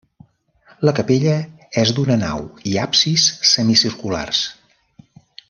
La capella és d'una nau i absis semicirculars.